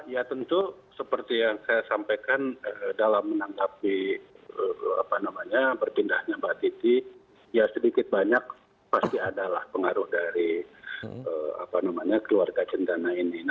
ya tentu seperti yang saya sampaikan dalam menanggapi berpindahnya mbak titi ya sedikit banyak pasti adalah pengaruh dari keluarga cendana ini